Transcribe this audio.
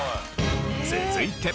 続いて。